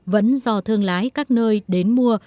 vẫn do thương lái các nơi đến mua